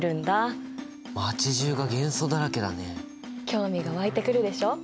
興味が湧いてくるでしょ？